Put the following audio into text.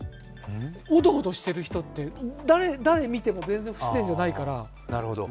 おどおどしてる人って、誰を見ても全然不自然じゃないから。